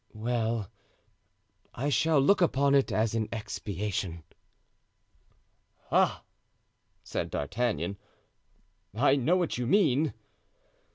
"Well, I shall look upon it as an expiation." "Ah!" said D'Artagnan; "I know what you mean."